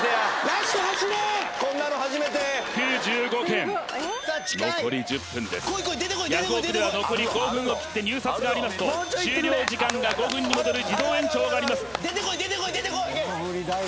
ヤフオク！では残り５分を切って入札がありますと終了時間が５分に戻る自動延長があります